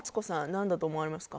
何だと思われますか？